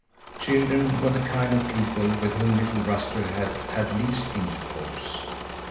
Children were the kind of people with whom little Ruster had had least intercourse.